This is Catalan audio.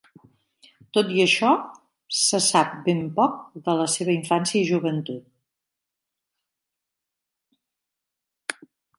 Tot i això, es sap ben poc de la seva infància i joventut.